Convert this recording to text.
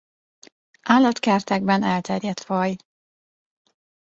Állatkertekben elterjedt faj.